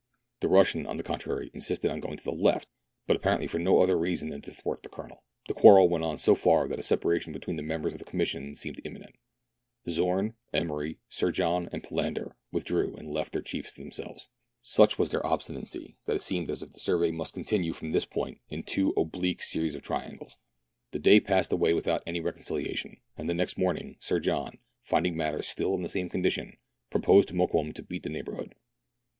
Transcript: The Russian, on the contrary, insisted on going to the left, but apparently for no other reason than to thwart the Colonel. The quarrel went so far that a separation between the members of the Commission seemed imminent Zorn, Emery, Sir John, and Palander with THREE ENGLISHMEN AND THREE RUSSIANS. 121 drew and left their chiefs to themselves. Such was their obstinacy that it seemed as if the survey must continue from this point in two oblique series of triangles. The day passed away without any reconciliation, and the next morning Sir John, finding matters still in the same condition, proposed to Mokoum to beat the neighbourhood.